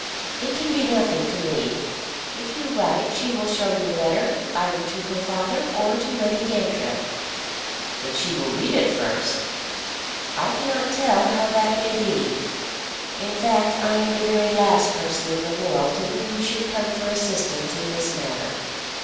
"It can be nothing to me. If you write she will show your letter either to her father or to Lady Cantrip." "But she will read it first." "I cannot tell how that may be. In fact I am the very last person in the world to whom you should come for assistance in this matter.